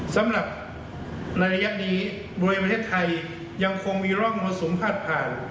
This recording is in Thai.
สำหรับในระยะนี้โดยประเทศไทยยังคงมีร่องมรสุมพาดผ่าน